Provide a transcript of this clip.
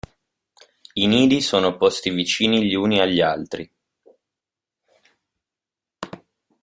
I nidi sono posti vicini gli uni agli altri.